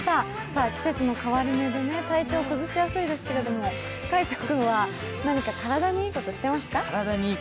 さぁ、季節の変わり目で体調崩しやすいですけど、海音君は何か体にいいことしてますか？